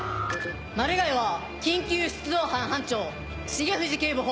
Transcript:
マルガイは緊急出動班班長重藤警部補。